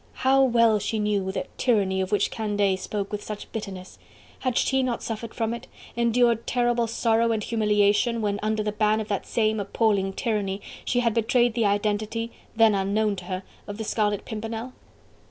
How well she knew that tyranny of which Candeille spoke with such bitterness! Had she not suffered from it, endured terrible sorrow and humiliation, when under the ban of that same appalling tyranny she had betrayed the identity then unknown to her of the Scarlet Pimpernel?